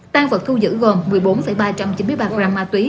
tan vật thu giữ gồm một mươi bốn ba trăm chín mươi ba gram ma túy